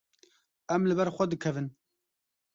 Em li ber xwe dikevin.